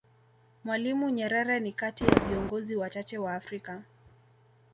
Mwalimu Nyerere ni kati ya viingozi wachache wa Afrika